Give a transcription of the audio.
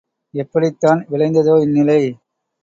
எப்படித்தான் விளைந்ததோ இந்நிலை?